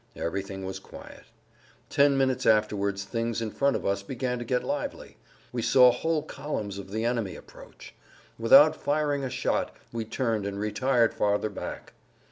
Everything was quiet. Ten minutes afterwards things in front of us began to get lively; we saw whole columns of the enemy approach. Without firing a shot we turned and retired farther back.